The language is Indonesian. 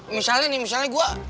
misalnya nih misalnya gua